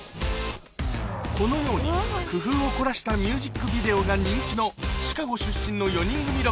このように工夫を凝らしたミュージックビデオが人気のシカゴ出身の４人組